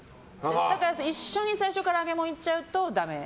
だから一緒に最初から揚げ物行っちゃうと、ダメ。